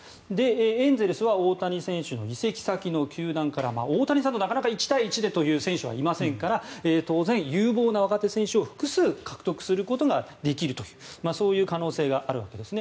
エンゼルスは大谷選手の移籍先の球団から大谷さんと１対１でという選手はなかなかいませんから当然、有望な若手選手を複数獲得することができる可能性があるわけです。